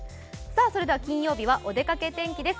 それでは、金曜日はお出かけ天気です。